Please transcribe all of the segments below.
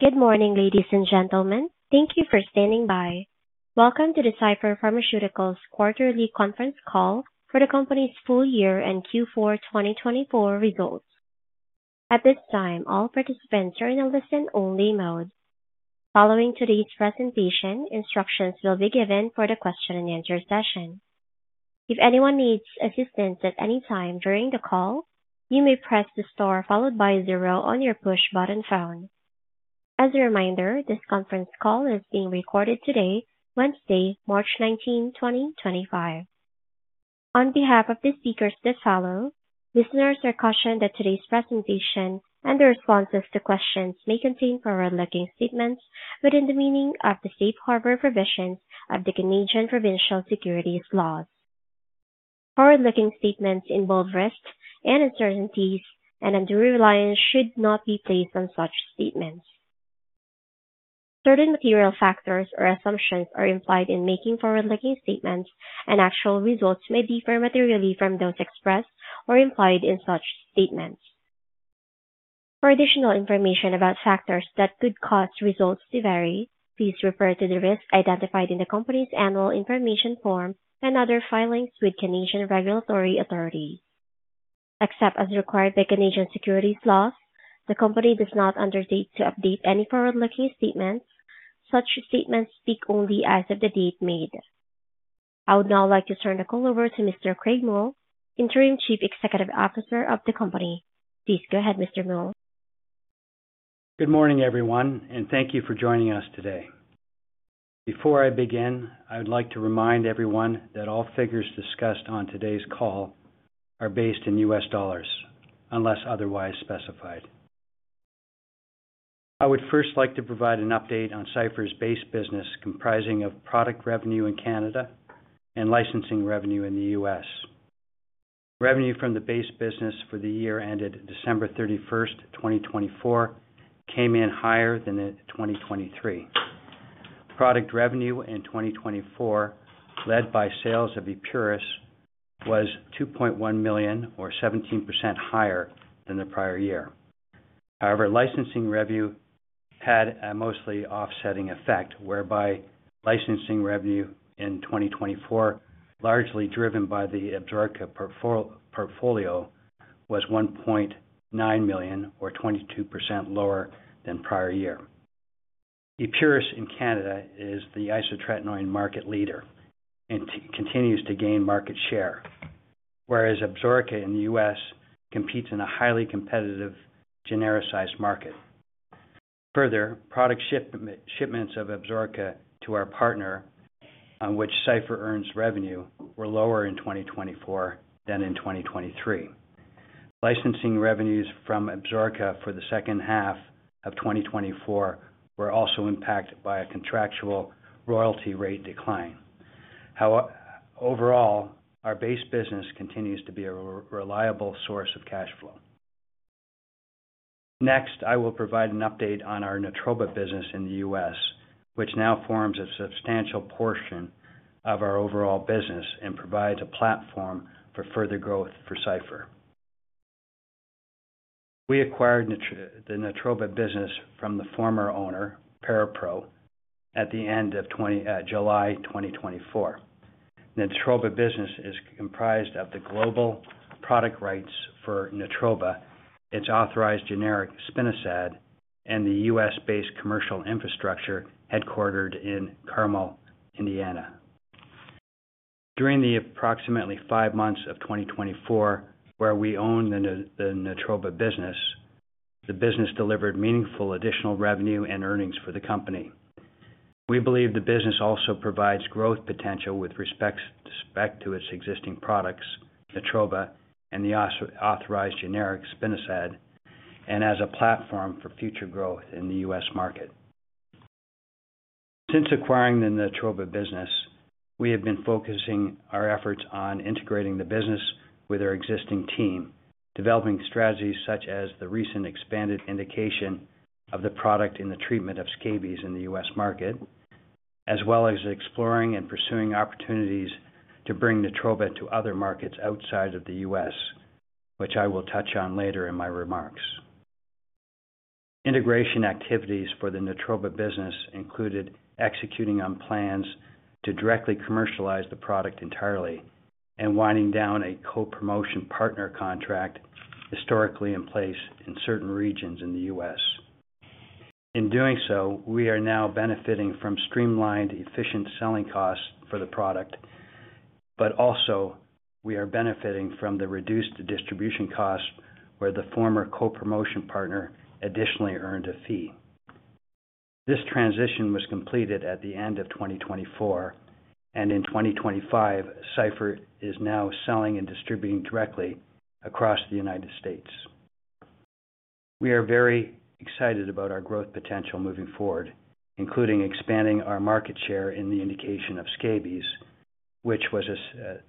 Good morning, ladies and gentlemen. Thank you for standing by. Welcome to the Cipher Pharmaceuticals quarterly conference call for the company's full year and Q4 2024 results. At this time, all participants are in a listen-only mode. Following today's presentation, instructions will be given for the question-and-answer session. If anyone needs assistance at any time during the call, you may press the star followed by zero on your push button phone. As a reminder, this conference call is being recorded today, Wednesday, March 19, 2025. On behalf of the speakers that follow, listeners are cautioned that today's presentation and the responses to questions may contain forward-looking statements within the meaning of the safe harbor provisions of the Canadian Provincial Securities Laws. Forward-looking statements involve risks and uncertainties, and undue reliance should not be placed on such statements. Certain material factors or assumptions are implied in making forward-looking statements, and actual results may differ materially from those expressed or implied in such statements. For additional information about factors that could cause results to vary, please refer to the risks identified in the company's annual information form and other filings with Canadian regulatory authority. Except as required by Canadian securities laws, the company does not undertake to update any forward-looking statements. Such statements speak only as of the date made. I would now like to turn the call over to Mr. Craig Mull, Interim Chief Executive Officer of the company. Please go ahead, Mr. Mull. Good morning, everyone, and thank you for joining us today. Before I begin, I would like to remind everyone that all figures discussed on today's call are based in U.S. dollars, unless otherwise specified. I would first like to provide an update on Cipher's base business comprising of product revenue in Canada and licensing revenue in the U.S. Revenue from the base business for the year ended December 31, 2024, came in higher than in 2023. Product revenue in 2024, led by sales of Epuris, was $2.1 million, or 17% higher than the prior year. However, licensing revenue had a mostly offsetting effect, whereby licensing revenue in 2024, largely driven by the Absorica portfolio, was $1.9 million, or 22% lower than prior year. Epuris in Canada is the isotretinoin market leader and continues to gain market share, whereas Absorica in the U.S. competes in a highly competitive genericized market. Further, product shipments of Absorica to our partner, which Cipher earns revenue, were lower in 2024 than in 2023. Licensing revenues from Absorica for the second half of 2024 were also impacted by a contractual royalty rate decline. However, overall, our base business continues to be a reliable source of cash flow. Next, I will provide an update on our Natroba business in the U.S., which now forms a substantial portion of our overall business and provides a platform for further growth for Cipher. We acquired the Natroba business from the former owner, ParaPRO, at the end of July 2024. The Natroba business is comprised of the global product rights for Natroba, its authorized generic spinosad, and the U.S.-based commercial infrastructure headquartered in Carmel, Indiana. During the approximately five months of 2024, where we owned the Natroba business, the business delivered meaningful additional revenue and earnings for the company. We believe the business also provides growth potential with respect to its existing products, Natroba and the authorized generic spinosad, and as a platform for future growth in the U.S. market. Since acquiring the Natroba business, we have been focusing our efforts on integrating the business with our existing team, developing strategies such as the recent expanded indication of the product in the treatment of scabies in the U.S. market, as well as exploring and pursuing opportunities to bring Natroba to other markets outside of the U.S., which I will touch on later in my remarks. Integration activities for the Natroba business included executing on plans to directly commercialize the product entirely and winding down a co-promotion partner contract historically in place in certain regions in the U.S. In doing so, we are now benefiting from streamlined, efficient selling costs for the product, but also we are benefiting from the reduced distribution costs where the former co-promotion partner additionally earned a fee. This transition was completed at the end of 2024, and in 2025, Cipher is now selling and distributing directly across the United States. We are very excited about our growth potential moving forward, including expanding our market share in the indication of scabies, which was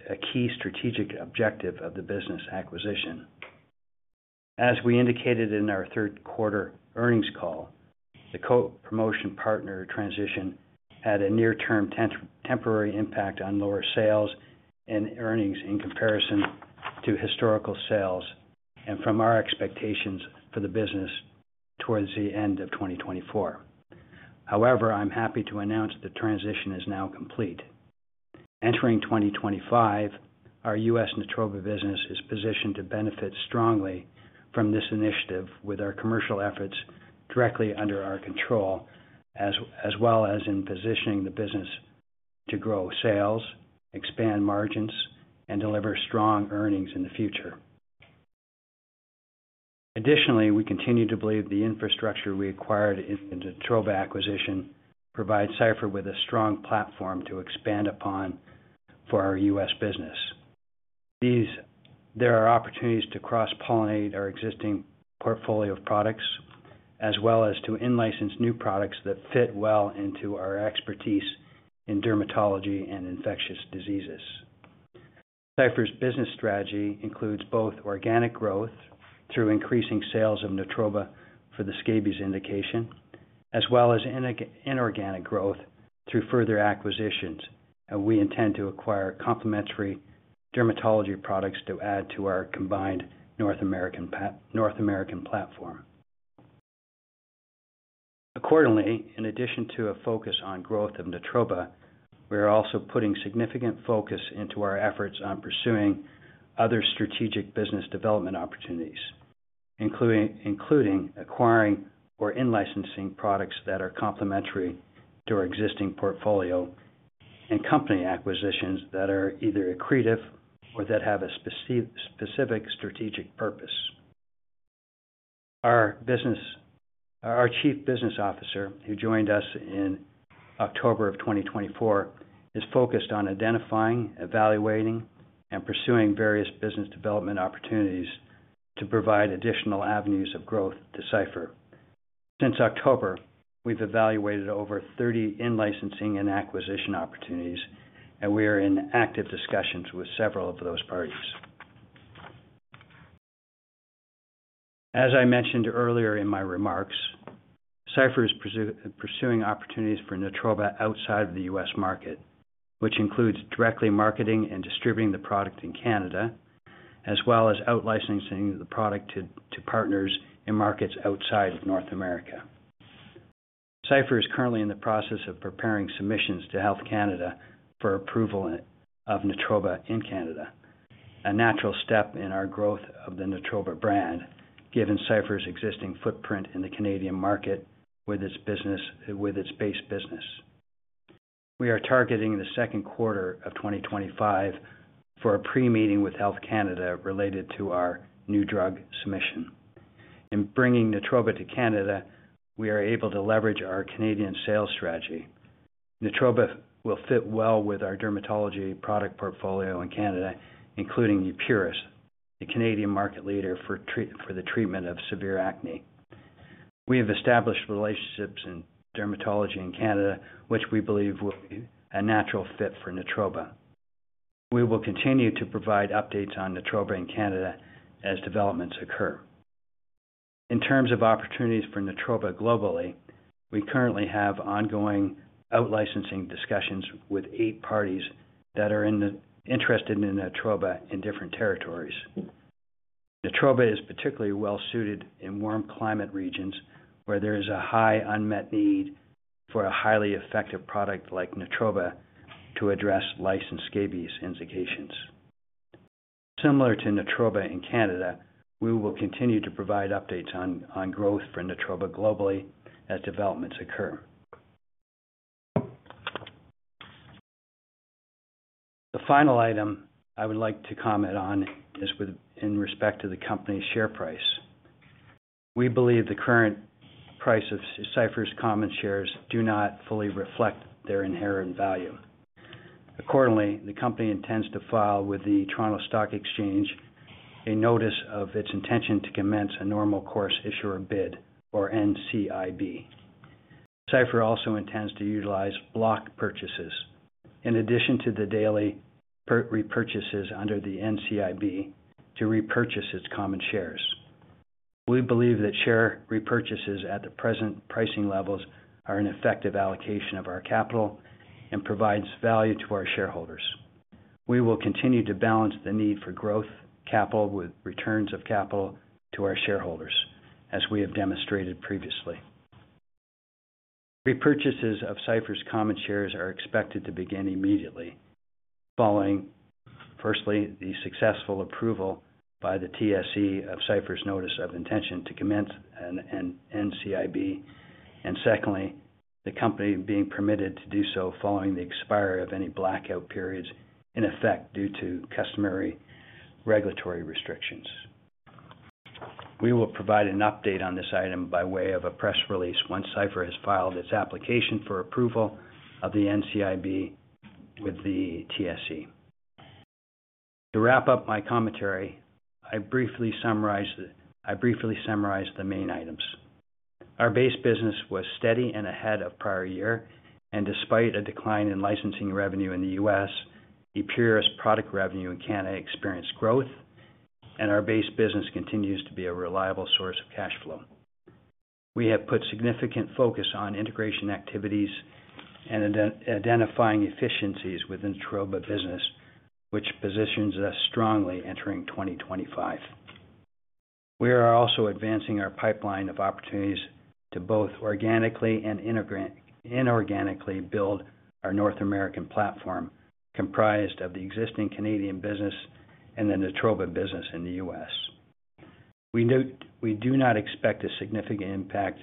a key strategic objective of the business acquisition. As we indicated in our third quarter earnings call, the co-promotion partner transition had a near-term temporary impact on lower sales and earnings in comparison to historical sales and from our expectations for the business towards the end of 2024. However, I'm happy to announce the transition is now complete. Entering 2025, our U.S. Natroba business is positioned to benefit strongly from this initiative with our commercial efforts directly under our control, as well as in positioning the business to grow sales, expand margins, and deliver strong earnings in the future. Additionally, we continue to believe the infrastructure we acquired in the Natroba acquisition provides Cipher with a strong platform to expand upon for our U.S. business. There are opportunities to cross-pollinate our existing portfolio of products, as well as to in-license new products that fit well into our expertise in dermatology and infectious diseases. Cipher's business strategy includes both organic growth through increasing sales of Natroba for the scabies indication, as well as inorganic growth through further acquisitions. We intend to acquire complementary dermatology products to add to our combined North American platform. Accordingly, in addition to a focus on growth of Natroba, we are also putting significant focus into our efforts on pursuing other strategic business development opportunities, including acquiring or in-licensing products that are complementary to our existing portfolio and company acquisitions that are either accretive or that have a specific strategic purpose. Our Chief Business Officer, who joined us in October of 2024, is focused on identifying, evaluating, and pursuing various business development opportunities to provide additional avenues of growth to Cipher. Since October, we've evaluated over 30 in-licensing and acquisition opportunities, and we are in active discussions with several of those parties. As I mentioned earlier in my remarks, Cipher is pursuing opportunities for Natroba outside of the U.S. market, which includes directly marketing and distributing the product in Canada, as well as out-licensing the product to partners in markets outside of North America. Cipher is currently in the process of preparing submissions to Health Canada for approval of Natroba in Canada, a natural step in our growth of the Natroba brand, given Cipher's existing footprint in the Canadian market with its base business. We are targeting the second quarter of 2025 for a pre-meeting with Health Canada related to our new drug submission. In bringing Natroba to Canada, we are able to leverage our Canadian sales strategy. Natroba will fit well with our dermatology product portfolio in Canada, including Epuris, the Canadian market leader for the treatment of severe acne. We have established relationships in dermatology in Canada, which we believe will be a natural fit for Natroba. We will continue to provide updates on Natroba in Canada as developments occur. In terms of opportunities for Natroba globally, we currently have ongoing out-licensing discussions with eight parties that are interested in Natroba in different territories. Natroba is particularly well-suited in warm climate regions where there is a high unmet need for a highly effective product like Natroba to address lice and scabies indications. Similar to Natroba in Canada, we will continue to provide updates on growth for Natroba globally as developments occur. The final item I would like to comment on is in respect to the company's share price. We believe the current price of Cipher's common shares does not fully reflect their inherent value. Accordingly, the company intends to file with the Toronto Stock Exchange a notice of its intention to commence a normal course issuer bid, or NCIB. Cipher also intends to utilize block purchases, in addition to the daily repurchases under the NCIB, to repurchase its common shares. We believe that share repurchases at the present pricing levels are an effective allocation of our capital and provide value to our shareholders. We will continue to balance the need for growth capital with returns of capital to our shareholders, as we have demonstrated previously. Repurchases of Cipher's common shares are expected to begin immediately following, firstly, the successful approval by the Toronto Stock Exchange of Cipher's notice of intention to commence an NCIB, and secondly, the company being permitted to do so following the expiry of any blackout periods in effect due to customary regulatory restrictions. We will provide an update on this item by way of a press release once Cipher has filed its application for approval of the NCIB with the Toronto Stock Exchange. To wrap up my commentary, I briefly summarized the main items. Our base business was steady and ahead of prior year, and despite a decline in licensing revenue in the U.S., Epuris product revenue in Canada experienced growth, and our base business continues to be a reliable source of cash flow. We have put significant focus on integration activities and identifying efficiencies with the Natroba business, which positions us strongly entering 2025. We are also advancing our pipeline of opportunities to both organically and inorganically build our North American platform, comprised of the existing Canadian business and the Natroba business in the U.S. We do not expect a significant impact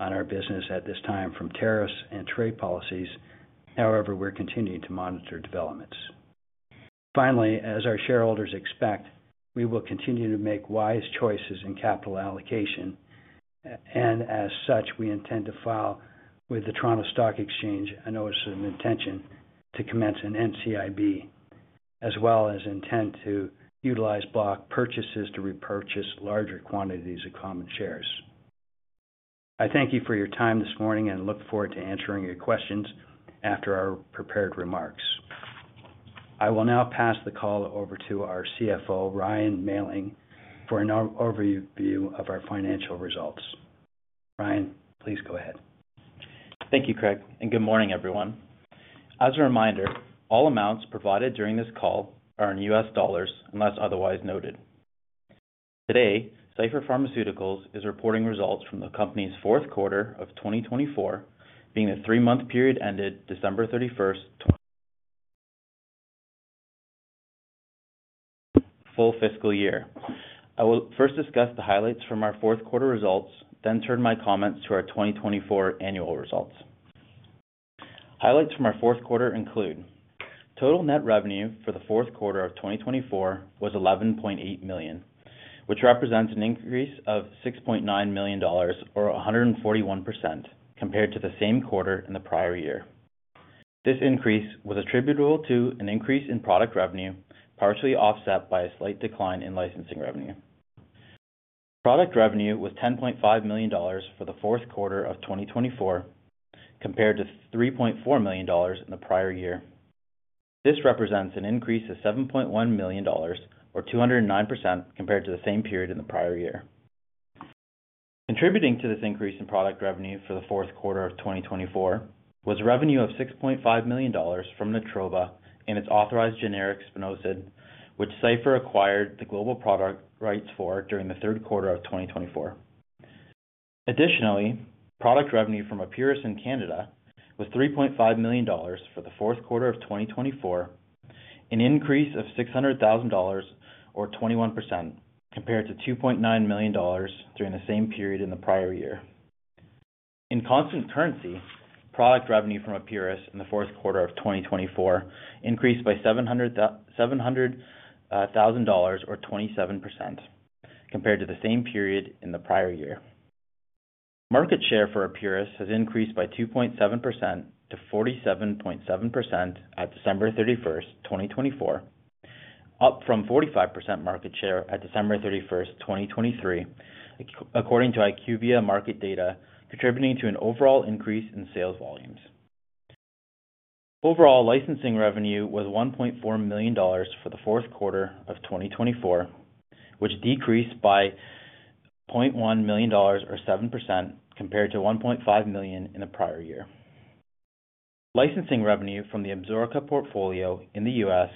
on our business at this time from tariffs and trade policies. However, we're continuing to monitor developments. Finally, as our shareholders expect, we will continue to make wise choices in capital allocation, and as such, we intend to file with the Toronto Stock Exchange a notice of intention to commence an NCIB, as well as intend to utilize block purchases to repurchase larger quantities of common shares. I thank you for your time this morning and look forward to answering your questions after our prepared remarks. I will now pass the call over to our CFO, Ryan Mailling, for an overview of our financial results. Ryan, please go ahead. Thank you, Craig, and good morning, everyone. As a reminder, all amounts provided during this call are in U.S. dollars unless otherwise noted. Today, Cipher Pharmaceuticals is reporting results from the company's fourth quarter of 2024, being the three-month period ended December 31, full fiscal year. I will first discuss the highlights from our fourth quarter results, then turn my comments to our 2024 annual results. Highlights from our fourth quarter include: total net revenue for the fourth quarter of 2024 was $11.8 million, which represents an increase of $6.9 million, or 141%, compared to the same quarter in the prior year. This increase was attributable to an increase in product revenue, partially offset by a slight decline in licensing revenue. Product revenue was $10.5 million for the fourth quarter of 2024, compared to $3.4 million in the prior year. This represents an increase of $7.1 million, or 209%, compared to the same period in the prior year. Contributing to this increase in product revenue for the fourth quarter of 2024 was revenue of $6.5 million from Natroba and its authorized generic spinosad, which Cipher acquired the global product rights for during the third quarter of 2024. Additionally, product revenue from Epuris in Canada was $3.5 million for the fourth quarter of 2024, an increase of $600,000, or 21%, compared to $2.9 million during the same period in the prior year. In constant currency, product revenue from Epuris in the fourth quarter of 2024 increased by $700,000, or 27%, compared to the same period in the prior year. Market share for Epuris has increased by 2.7% to 47.7% at December 31, 2024, up from 45% market share at December 31, 2023, according to IQVIA market data, contributing to an overall increase in sales volumes. Overall licensing revenue was $1.4 million for the fourth quarter of 2024, which decreased by $0.1 million, or 7%, compared to $1.5 million in the prior year. Licensing revenue from the Absorica portfolio in the U.S.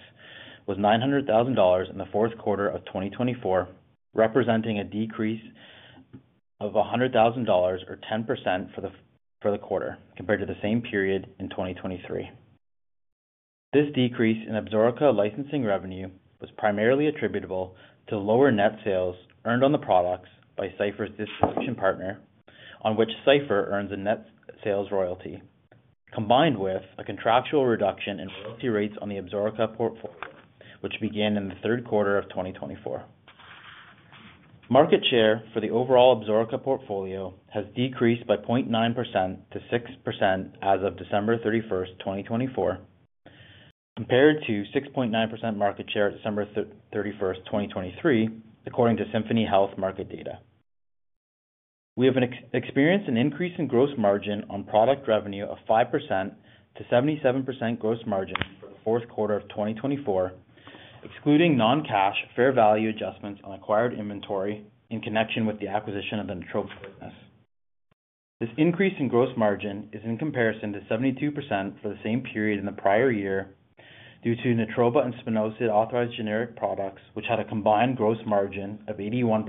was $900,000 in the fourth quarter of 2024, representing a decrease of $100,000, or 10%, for the quarter, compared to the same period in 2023. This decrease in Absorica licensing revenue was primarily attributable to lower net sales earned on the products by Cipher's distribution partner, on which Cipher earns a net sales royalty, combined with a contractual reduction in royalty rates on the Absorica portfolio, which began in the third quarter of 2024. Market share for the overall Absorica portfolio has decreased by 0.9% to 6% as of December 31st, 2024, compared to 6.9% market share at December 31st, 2023, according to Symphony Health market data. We have experienced an increase in gross margin on product revenue of 5% to 77% gross margin for the fourth quarter of 2024, excluding non-cash fair value adjustments on acquired inventory in connection with the acquisition of the Natroba business. This increase in gross margin is in comparison to 72% for the same period in the prior year due to Natroba and spinosad authorized generic products, which had a combined gross margin of 81%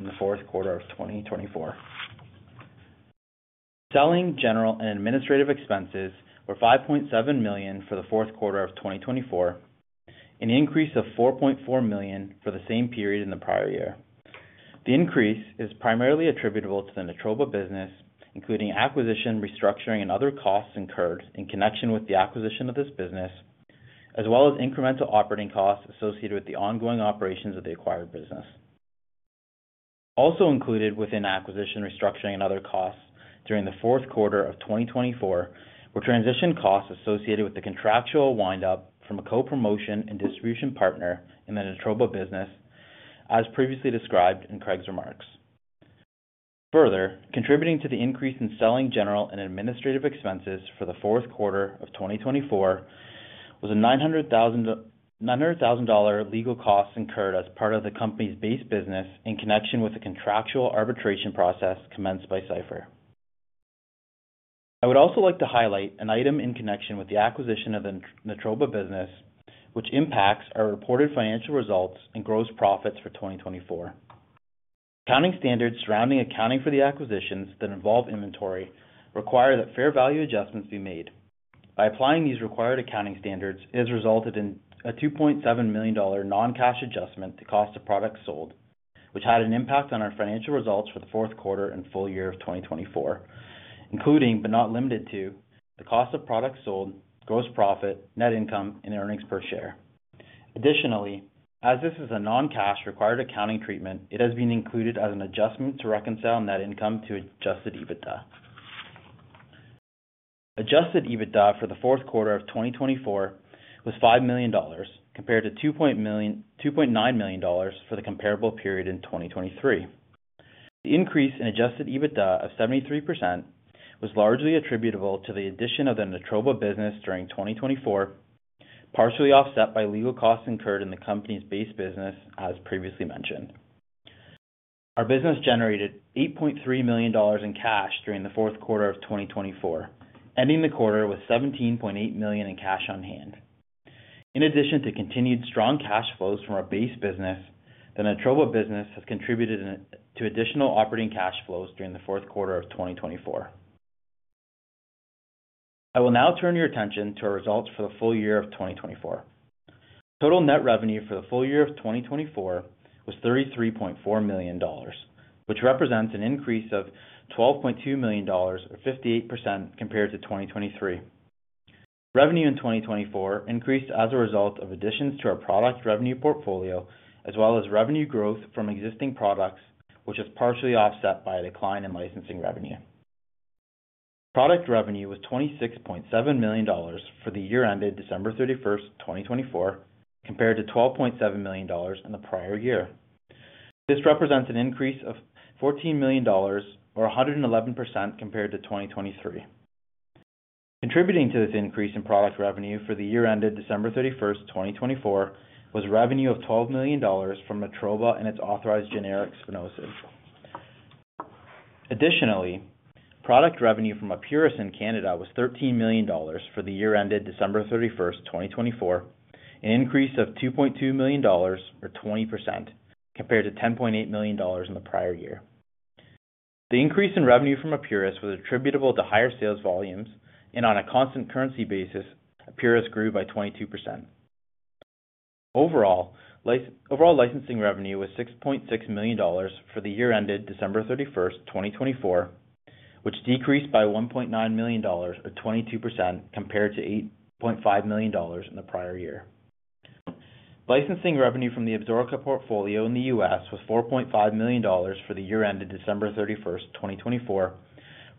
in the fourth quarter of 2024. Selling, general, and administrative expenses were $5.7 million for the fourth quarter of 2024, an increase of $4.4 million for the same period in the prior year. The increase is primarily attributable to the Natroba business, including acquisition, restructuring, and other costs incurred in connection with the acquisition of this business, as well as incremental operating costs associated with the ongoing operations of the acquired business. Also included within acquisition, restructuring, and other costs during the fourth quarter of 2024 were transition costs associated with the contractual windup from a co-promotion and distribution partner in the Natroba business, as previously described in Craig's remarks. Further, contributing to the increase in selling, general, and administrative expenses for the fourth quarter of 2024 was a $900,000 legal cost incurred as part of the company's base business in connection with the contractual arbitration process commenced by Cipher. I would also like to highlight an item in connection with the acquisition of the Natroba business, which impacts our reported financial results and gross profits for 2024. Accounting standards surrounding accounting for the acquisitions that involve inventory require that fair value adjustments be made. By applying these required accounting standards, it has resulted in a $2.7 million non-cash adjustment to cost of products sold, which had an impact on our financial results for the fourth quarter and full year of 2024, including, but not limited to, the cost of products sold, gross profit, net income, and earnings per share. Additionally, as this is a non-cash required accounting treatment, it has been included as an adjustment to reconcile net income to adjusted EBITDA. Adjusted EBITDA for the fourth quarter of 2024 was $5 million, compared to $2.9 million for the comparable period in 2023. The increase in adjusted EBITDA of 73% was largely attributable to the addition of the Natroba business during 2024, partially offset by legal costs incurred in the company's base business, as previously mentioned. Our business generated $8.3 million in cash during the fourth quarter of 2024, ending the quarter with $17.8 million in cash on hand. In addition to continued strong cash flows from our base business, the Natroba business has contributed to additional operating cash flows during the fourth quarter of 2024. I will now turn your attention to our results for the full year of 2024. Total net revenue for the full year of 2024 was $33.4 million, which represents an increase of $12.2 million, or 58%, compared to 2023. Revenue in 2024 increased as a result of additions to our product revenue portfolio, as well as revenue growth from existing products, which is partially offset by a decline in licensing revenue. Product revenue was $26.7 million for the year ended December 31st, 2024, compared to $12.7 million in the prior year. This represents an increase of $14 million, or 111%, compared to 2023. Contributing to this increase in product revenue for the year ended December 31, 2024, was revenue of $12 million from Natroba and its authorized generic spinosad. Additionally, product revenue from Epuris in Canada was $13 million for the year ended December 31, 2024, an increase of $2.2 million, or 20%, compared to $10.8 million in the prior year. The increase in revenue from Epuris was attributable to higher sales volumes, and on a constant currency basis, Epuris grew by 22%. Overall licensing revenue was $6.6 million for the year ended December 31, 2024, which decreased by $1.9 million, or 22%, compared to $8.5 million in the prior year. Licensing revenue from the Absorica portfolio in the U.S. was $4.5 million for the year ended December 31, 2024,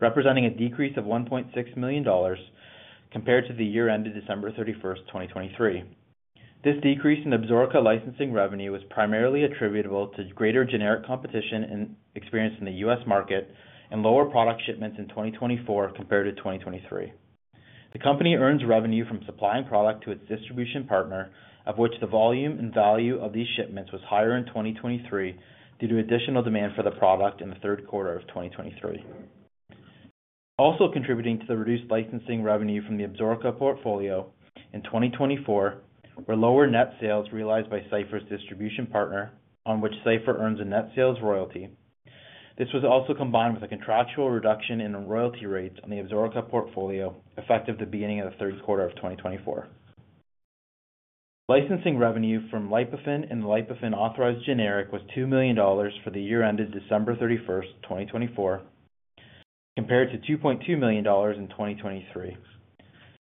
representing a decrease of $1.6 million compared to the year ended December 31, 2023. This decrease in Absorica licensing revenue was primarily attributable to greater generic competition experienced in the U.S. market and lower product shipments in 2024 compared to 2023. The company earns revenue from supplying product to its distribution partner, of which the volume and value of these shipments was higher in 2023 due to additional demand for the product in the third quarter of 2023. Also contributing to the reduced licensing revenue from the Absorica portfolio in 2024 were lower net sales realized by Cipher's distribution partner, on which Cipher earns a net sales royalty. This was also combined with a contractual reduction in royalty rates on the Absorica portfolio effective the beginning of the third quarter of 2024. Licensing revenue from Lipofen and the Lipofen authorized generic was $2 million for the year ended December 31, 2024, compared to $2.2 million in 2023.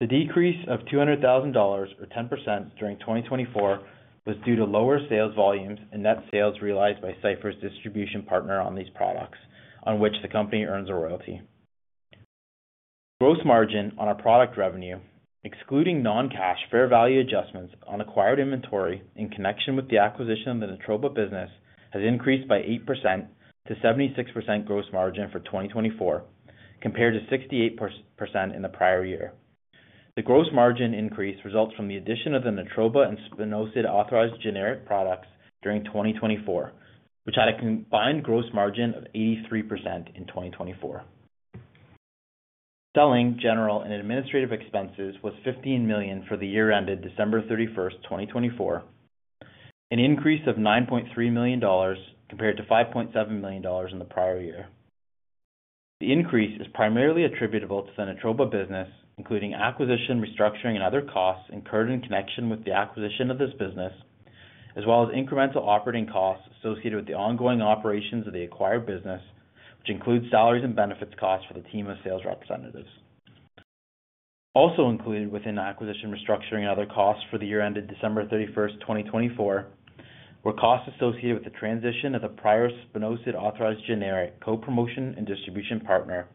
The decrease of $200,000, or 10%, during 2024 was due to lower sales volumes and net sales realized by Cipher's distribution partner on these products, on which the company earns a royalty. Gross margin on our product revenue, excluding non-cash fair value adjustments on acquired inventory in connection with the acquisition of the Natroba business, has increased by 8% to 76% gross margin for 2024, compared to 68% in the prior year. The gross margin increase results from the addition of the Natroba and spinosad authorized generic products during 2024, which had a combined gross margin of 83% in 2024. Selling, general, and administrative expenses was $15 million for the year ended December 31, 2024, an increase of $9.3 million compared to $5.7 million in the prior year. The increase is primarily attributable to the Natroba business, including acquisition, restructuring, and other costs incurred in connection with the acquisition of this business, as well as incremental operating costs associated with the ongoing operations of the acquired business, which includes salaries and benefits costs for the team of sales representatives. Also included within acquisition, restructuring, and other costs for the year ended December 31, 2024, were costs associated with the transition of the prior spinosad authorized generic co-promotion and distribution partner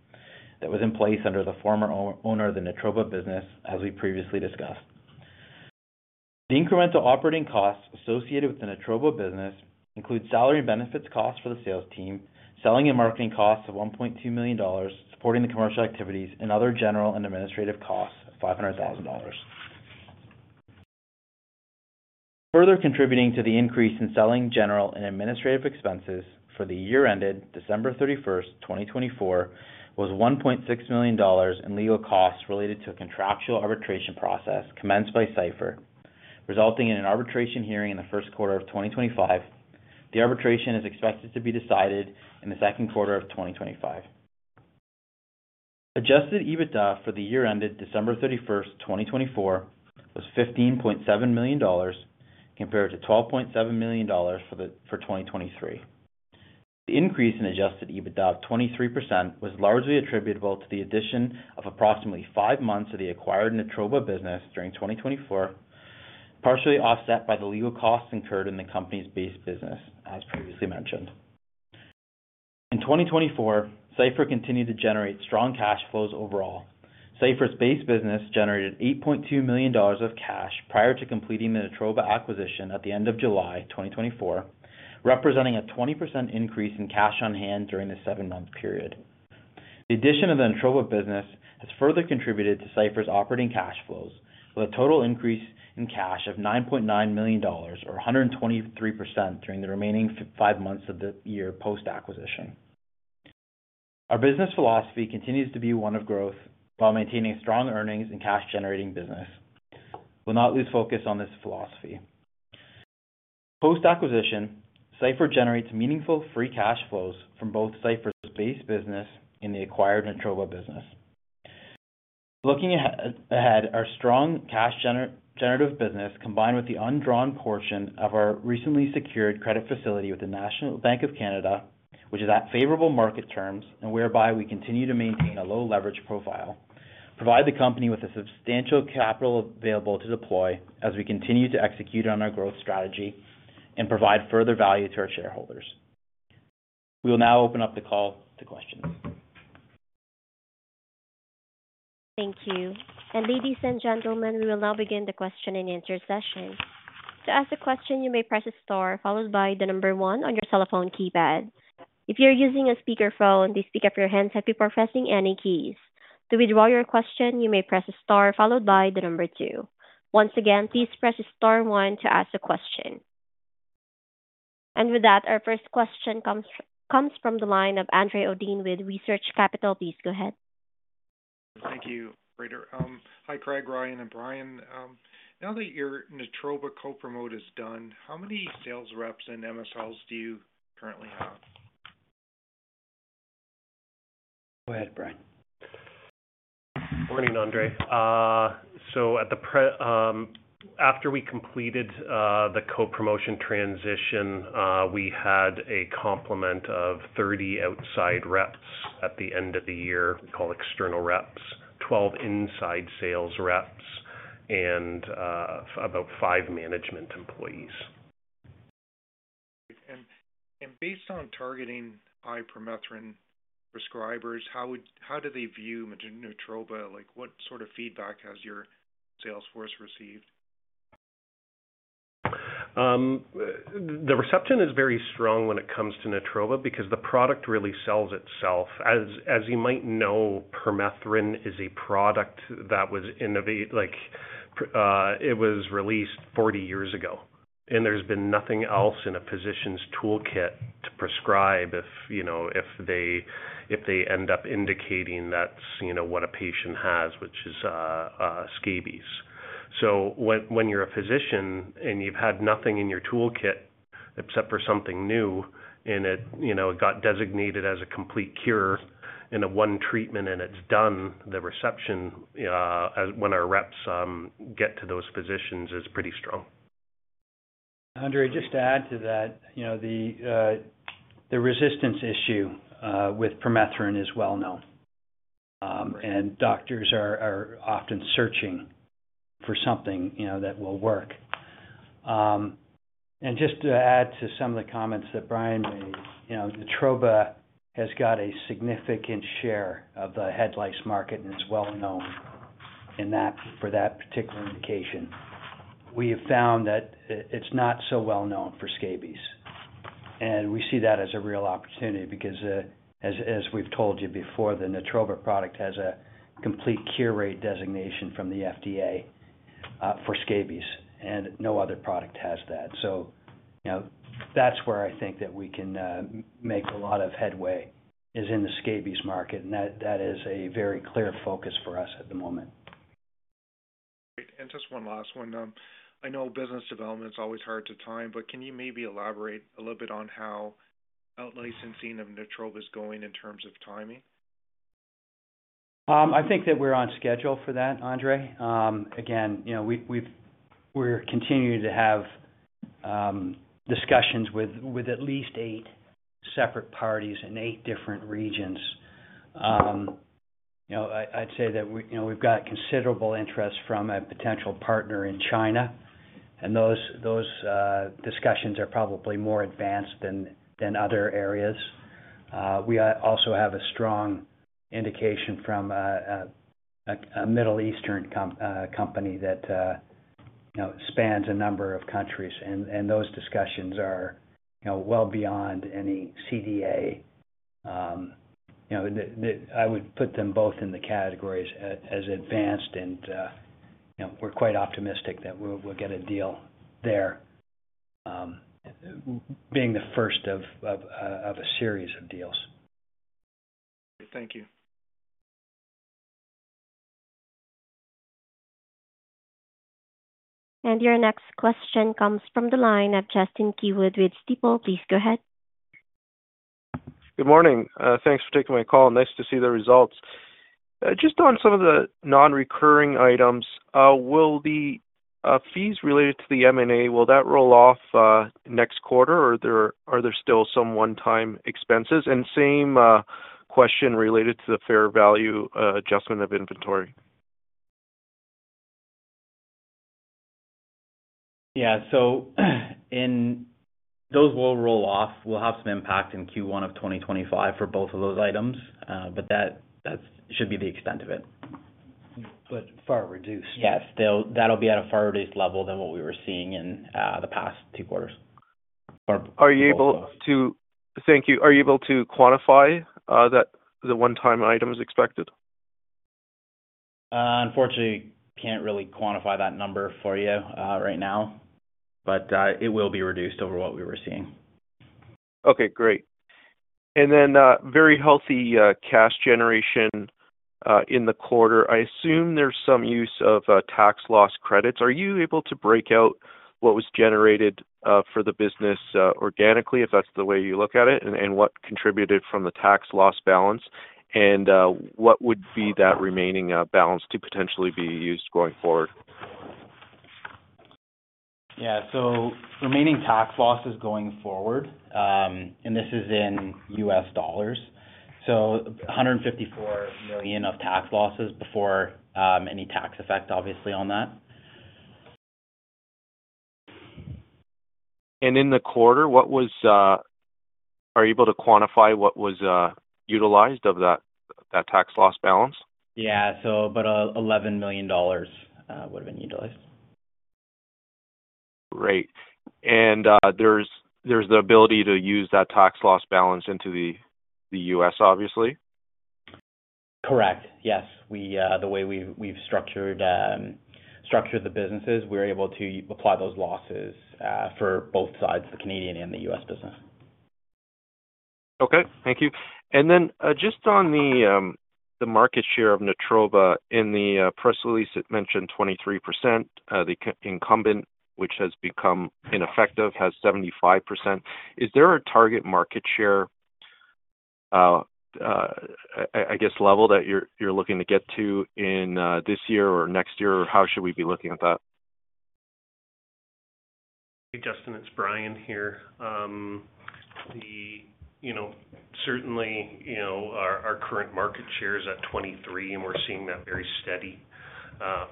that was in place under the former owner of the Natroba business, as we previously discussed. The incremental operating costs associated with the Natroba business include salary and benefits costs for the sales team, selling and marketing costs of $1.2 million, supporting the commercial activities, and other general and administrative costs of $500,000. Further contributing to the increase in selling, general, and administrative expenses for the year ended December 31, 2024, was $1.6 million in legal costs related to a contractual arbitration process commenced by Cipher, resulting in an arbitration hearing in the first quarter of 2025. The arbitration is expected to be decided in the second quarter of 2025. Adjusted EBITDA for the year ended December 31, 2024, was $15.7 million, compared to $12.7 million for 2023. The increase in adjusted EBITDA of 23% was largely attributable to the addition of approximately five months of the acquired Natroba business during 2024, partially offset by the legal costs incurred in the company's base business, as previously mentioned. In 2024, Cipher continued to generate strong cash flows overall. Cipher's base business generated $8.2 million of cash prior to completing the Natroba acquisition at the end of July 2024, representing a 20% increase in cash on hand during the seven-month period. The addition of the Natroba business has further contributed to Cipher's operating cash flows, with a total increase in cash of $9.9 million, or 123%, during the remaining five months of the year post-acquisition. Our business philosophy continues to be one of growth while maintaining strong earnings and cash-generating business. We'll not lose focus on this philosophy. Post-acquisition, Cipher generates meaningful free cash flows from both Cipher's base business and the acquired Natroba business. Looking ahead, our strong cash-generative business, combined with the undrawn portion of our recently secured credit facility with the National Bank of Canada, which is at favorable market terms and whereby we continue to maintain a low-leverage profile, provide the company with substantial capital available to deploy as we continue to execute on our growth strategy and provide further value to our shareholders. We will now open up the call to questions. Thank you. Ladies and gentlemen, we will now begin the question-and-answer session. To ask a question, you may press a star followed by the number one on your cell phone keypad. If you're using a speakerphone, please pick up your handset and keep pressing any keys. To withdraw your question, you may press a star followed by the number two. Once again, please press star one to ask a question. With that, our first question comes from the line of Andre Uddin with Research Capital. Please go ahead. Thank you, Ryder. Hi, Craig, Ryan, and Bryan. Now that your Natroba co-promote is done, how many sales reps and MSLs do you currently have? Go ahead, Bryan. Morning, Andre. After we completed the co-promotion transition, we had a complement of 30 outside reps at the end of the year, we call external reps, 12 inside sales reps, and about five management employees. Based on targeting permethrin prescribers, how do they view Natroba? What sort of feedback has your salesforce received? The reception is very strong when it comes to Natroba because the product really sells itself. As you might know, permethrin is a product that was released 40 years ago, and there's been nothing else in a physician's toolkit to prescribe if they end up indicating that's what a patient has, which is scabies. When you're a physician and you've had nothing in your toolkit except for something new and it got designated as a complete cure in a one treatment and it's done, the reception when our reps get to those physicians is pretty strong. Andre, just to add to that, the resistance issue with permethrin is well known, and doctors are often searching for something that will work. Just to add to some of the comments that Bryan made, Natroba has got a significant share of the head lice market and is well known for that particular indication. We have found that it's not so well known for scabies, and we see that as a real opportunity because, as we've told you before, the Natroba product has a complete cure rate designation from the FDA for scabies, and no other product has that. That is where I think that we can make a lot of headway is in the scabies market, and that is a very clear focus for us at the moment. Great. Just one last one. I know business development is always hard to time, but can you maybe elaborate a little bit on how outlicensing of Natroba is going in terms of timing? I think that we're on schedule for that, Andre. Again, we're continuing to have discussions with at least eight separate parties in eight different regions. I'd say that we've got considerable interest from a potential partner in China, and those discussions are probably more advanced than other areas. We also have a strong indication from a Middle Eastern company that spans a number of countries, and those discussions are well beyond any CDA. I would put them both in the categories as advanced, and we're quite optimistic that we'll get a deal there, being the first of a series of deals. Thank you. Your next question comes from the line of Justin Keywood with Stifel. Please go ahead. Good morning. Thanks for taking my call. Nice to see the results. Just on some of the non-recurring items, will the fees related to the M&A, will that roll off next quarter, or are there still some one-time expenses? Same question related to the fair value adjustment of inventory. Yeah. Those will roll off. We'll have some impact in Q1 of 2025 for both of those items, but that should be the extent of it. Yes. That'll be at a far reduced level than what we were seeing in the past two quarters. Are you able to—thank you. Are you able to quantify that the one-time item is expected? Unfortunately, can't really quantify that number for you right now, but it will be reduced over what we were seeing. Okay. Great. Very healthy cash generation in the quarter. I assume there's some use of tax loss credits. Are you able to break out what was generated for the business organically, if that's the way you look at it, and what contributed from the tax loss balance? What would be that remaining balance to potentially be used going forward? Yeah. Remaining tax losses going forward, and this is in U.S. dollars. $154 million of tax losses before any tax effect, obviously, on that. In the quarter, are you able to quantify what was utilized of that tax loss balance? Yeah. $11 million would have been utilized. Great. There is the ability to use that tax loss balance into the U.S., obviously? Correct. Yes. The way we've structured the businesses, we're able to apply those losses for both sides, the Canadian and the U.S. business. Okay. Thank you. Just on the market share of Natroba, in the press release, it mentioned 23%. The incumbent, which has become ineffective, has 75%. Is there a target market share, I guess, level that you're looking to get to in this year or next year, or how should we be looking at that? Hey, Justin. It's Bryan here. Certainly, our current market share is at 23%, and we're seeing that very steady.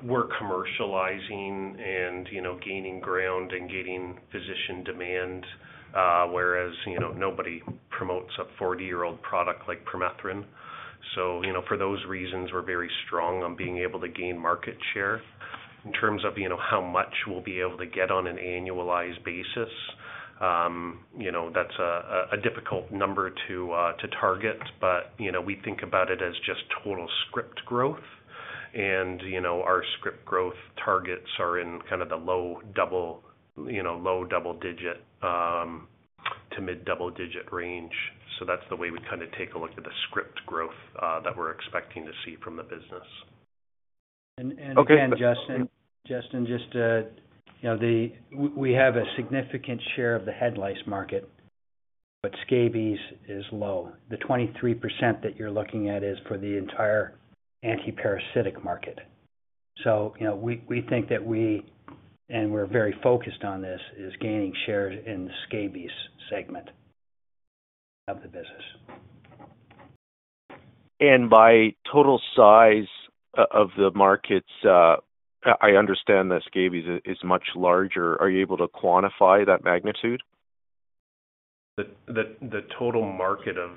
We're commercializing and gaining ground and getting physician demand, whereas nobody promotes a 40-year-old product like permethrin. For those reasons, we're very strong on being able to gain market share. In terms of how much we'll be able to get on an annualized basis, that's a difficult number to target, but we think about it as just total script growth. Our script growth targets are in kind of the low double-digit to mid-double-digit range. That's the way we kind of take a look at the script growth that we're expecting to see from the business. Again, Justin, just to we have a significant share of the head lice market, but scabies is low. The 23% that you're looking at is for the entire antiparasitic market. We think that we—and we're very focused on this—is gaining share in the scabies segment of the business. By total size of the markets, I understand that scabies is much larger. Are you able to quantify that magnitude? The total market of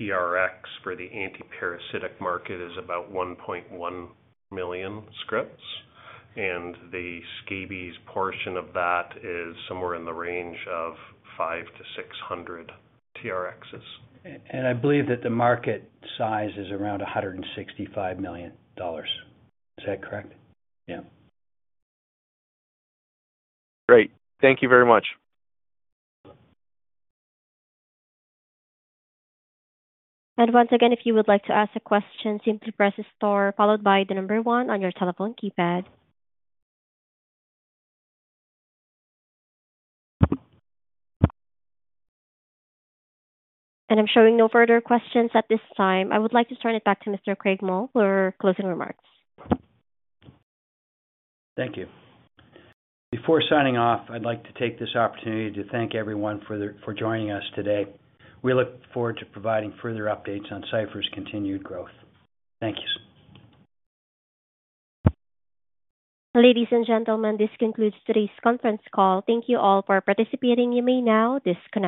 TRx for the antiparasitic market is about 1.1 million scripts, and the scabies portion of that is somewhere in the range of 500,000-600,000 TRx. I believe that the market size is around $165 million. Is that correct? Yeah. Great. Thank you very much. Once again, if you would like to ask a question, simply press a star followed by the number one on your cell phone keypad. I'm showing no further questions at this time. I would like to turn it back to Mr. Craig Mull for closing remarks. Thank you. Before signing off, I'd like to take this opportunity to thank everyone for joining us today. We look forward to providing further updates on Cipher's continued growth. Thank you. Ladies and gentlemen, this concludes today's conference call. Thank you all for participating. You may now disconnect.